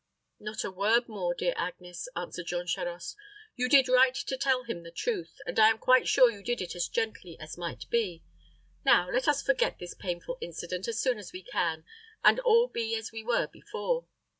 "Not a word more, dear Agnes," answered Jean Charost. "You did right to tell him the truth; and I am quite sure you did it as gently as might be. Now let us forget this painful incident as soon as we can, and all be as we were before."